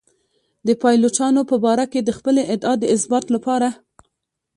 د پایلوچانو په باره کې د خپلې ادعا د اثبات لپاره.